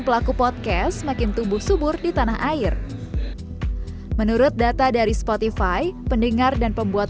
pelaku podcast makin tumbuh subur di tanah air menurut data dari spotify pendengar dan pembuat